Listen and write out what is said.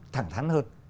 thẳng thắn hơn